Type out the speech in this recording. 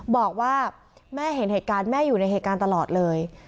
บอกว่าแม่เห็นเหตุการณ์แม่อยู่ในเหตุการณ์ตลอดเลย